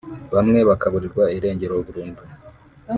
bamwe bakaburirwa irengero burundu